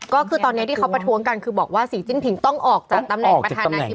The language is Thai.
ก็คือตอนนี้ที่เขาประท้วงกันคือบอกว่าสีจิ้นผิงต้องออกจากตำแหน่งประธานาธิบ